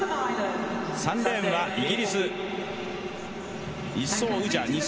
３レーンはイギリス。